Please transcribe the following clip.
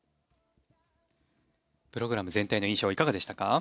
プログラム全体の印象はいかがでしたか。